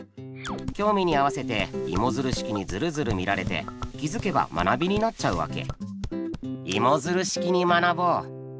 興味に合わせてイモヅル式にヅルヅル見られて気づけば学びになっちゃうわけ。